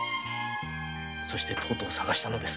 そしてとうとう捜したのです。